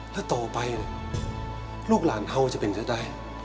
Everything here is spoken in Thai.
แล้วต่อไปลูกหลานเขาจะเป็นเท่าไหร่